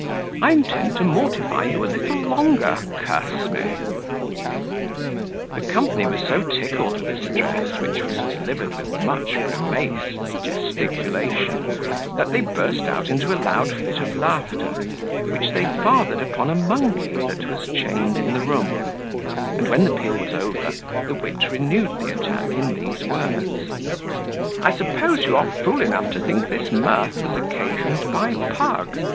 I intend to mortify you a little longer, curse me!" The company was so tickled with this address, which was delivered with much grimace and gesticulation, that they burst out into a loud fit of laughter, which they fathered upon a monkey that was chained in the room; and, when the peal was over, the wit renewed the attack in these words: "I suppose you are fool enough to think this mirth was occasioned by Pug.